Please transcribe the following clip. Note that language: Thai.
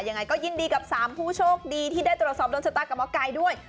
ยังไงก็ยินดีกับ๓ผู้โชคดีที่ได้ตรวจสอบโดนชะตากับหมอไก่ด้วย